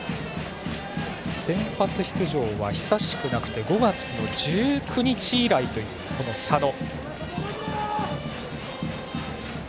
先発出場は久しくなくて５月の１９日以来という佐野。